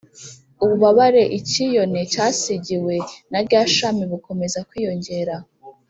Ububabare icyiyone cyasigiwe na rya shami bukomeza kwiyongera